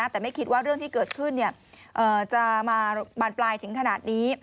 แต่ไม่คิดว่าเรื่องที่เกิดขึ้นจะมาบานปลายถึงขนาดนี้